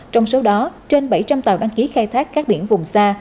trong số đó trên bảy trăm linh tàu đăng ký khai thác các biển vùng xa